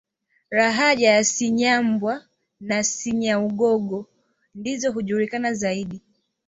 Lahaja za Cinyambwa na Cinyaugogo ndizo hujulikana zaidi